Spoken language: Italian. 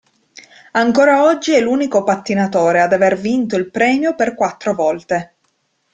Ancora oggi è l'unico pattinatore ad aver vinto il premio per quattro volte.